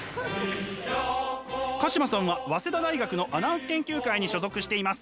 鹿島さんは早稲田大学のアナウンス研究会に所属しています。